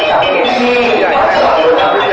อีกที่ไม่ให้เจอแน่